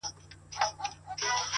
o که هر څو دي په لاره کي گړنگ در اچوم،